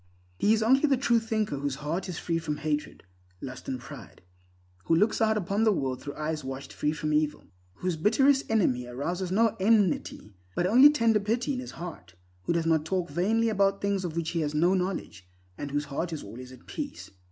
He is only the true thinker whose heart is free from hatred, lust, and pride; who looks out upon the world through eyes washed free from evil; whose bitterest enemy arouses no enmity, but only tender pity in his heart; who does not talk vainly about things of which he has no knowledge, and whose heart is always at peace.